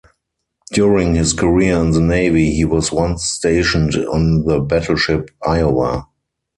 During his career in the Navy, he was once stationed on the battleship "Iowa".